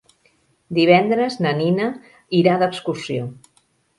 Divendres na Nina irà d'excursió.